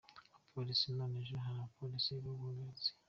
Abapolisi : None ejo hari abapolisi baguhagaritse?.